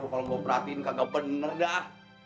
lu kalau gua perhatiin kagak bener dah